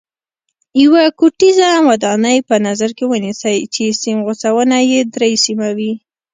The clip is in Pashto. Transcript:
یوه کوټیزه ودانۍ په نظر کې ونیسئ چې سیم غځونه یې درې سیمه وي.